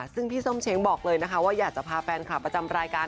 ซึ่งพี่ส้มเช้งบอกเลยนะคะว่าอยากจะพาแฟนคลับประจำรายการ